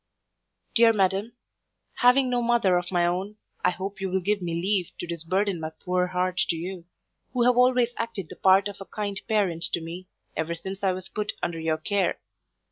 DEAR MADAM, Having no mother of my own, I hope you will give me leave to disburden my poor heart to you, who have always acted the part of a kind parent to me, ever since I was put under your care.